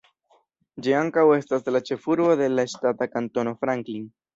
Ĝi ankaŭ estas la ĉefurbo de la ŝtata Kantono Franklin.